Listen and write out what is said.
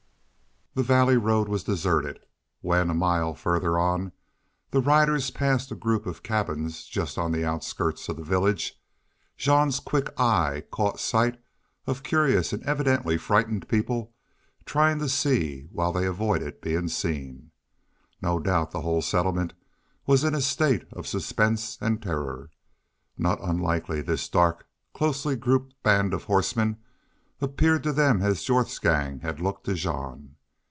The valley road was deserted. When, a mile farther on, the riders passed a group of cabins, just on the outskirts of the village, Jean's quick eye caught sight of curious and evidently frightened people trying to see while they avoided being seen. No doubt the whole settlement was in a state of suspense and terror. Not unlikely this dark, closely grouped band of horsemen appeared to them as Jorth's gang had looked to Jean.